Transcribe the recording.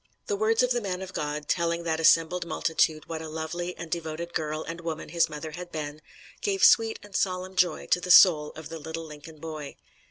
The words of the man of God, telling that assembled multitude what a lovely and devoted girl and woman his mother had been, gave sweet and solemn joy to the soul of the little Lincoln boy.